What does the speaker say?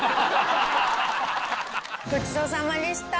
ごちそうさまでした。